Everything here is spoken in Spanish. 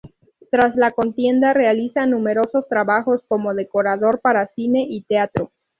Tras la contienda, realiza numerosos trabajos como decorador para cine y teatro.